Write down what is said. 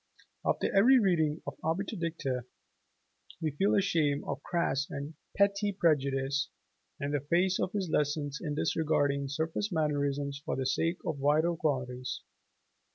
After every reading of 'Obiter Dicta' we feel ashamed of crass and petty prejudice, in the face of his lessons in disregarding surface mannerisms for the sake of vital qualities.